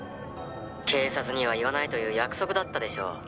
「警察には言わないという約束だったでしょう？」